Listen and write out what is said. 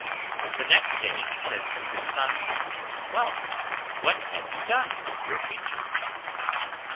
The next day he said to his sons, "Well, what have you done with your peaches?"